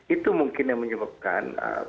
itu mungkin yang menyebabkan